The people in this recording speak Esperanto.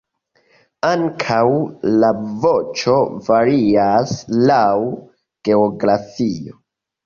Ankaŭ la voĉo varias laŭ geografio.